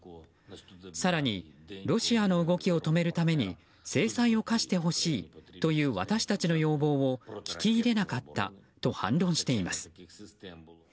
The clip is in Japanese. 更にロシアの動きを止めるために制裁を科してほしいという私たちの要望を聞き入れなかったと反論しています。